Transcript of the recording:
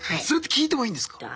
それって聞いてもいいんですか？